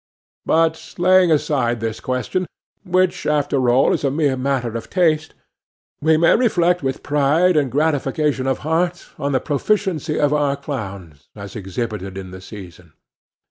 But, laying aside this question, which after all is a mere matter of taste, we may reflect with pride and gratification of heart on the proficiency of our clowns as exhibited in the season.